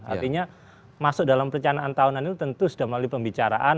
artinya masuk dalam perencanaan tahunan itu tentu sudah melalui pembicaraan